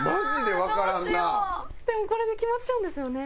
でもこれで決まっちゃうんですよね。